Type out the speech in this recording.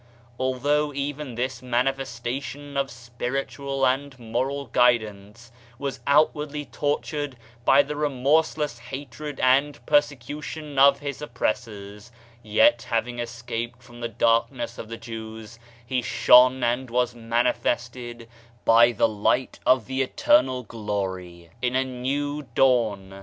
Although even this Manifestation of spiritual and moral guidance was outwardly tortured by the remorse less hatred and persecution of his oppressors, yet having escaped from the darkness of the Jews, he shone and was manifested by the Light of the eternal glory in a new dawn.